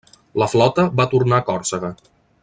La flota va tornar a Còrsega.